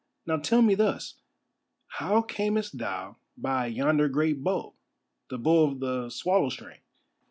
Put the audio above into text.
Now tell me thus. How camest thou by yonder great bow, the bow of the swallow string?